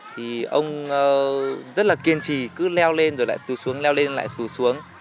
thì ông rất là kiên trì cứ leo lên rồi lại tù xuống leo lên lại tù xuống